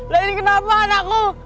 lainnya kenapa anakku